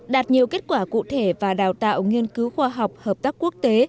đạt nhiều kết quả cụ thể và đào tạo nghiên cứu khoa học hợp tác quốc tế